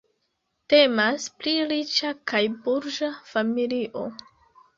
Temas pri riĉa kaj burĝa familio.